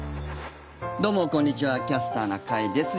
どうもこんにちは「キャスターな会」です。